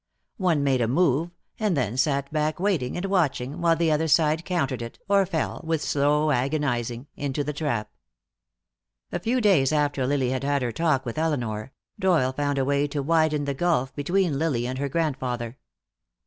One made a move, and then sat back waiting and watching while the other side countered it, or fell, with slow agonizing, into the trap. A few days after Lily had had her talk with Elinor, Doyle found a way to widen the gulf between Lily and her grandfather.